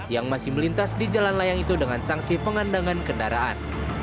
yang masih melintas di jalan layang itu dengan sanksi pengandangan kendaraan